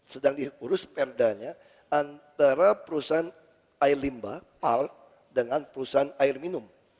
sedang diurus perdanya antara perusahaan air limba pal dengan perusahaan air minum